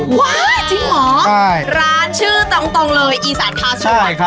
ว้าจริงเหรอร้านชื่อตรงเลยอีสานคาสวย